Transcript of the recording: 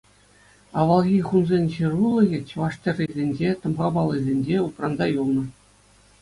Авалхи хунсен ҫырулӑхӗ чӑваш тӗррисенче, тӑмха паллисенче упранса юлнӑ.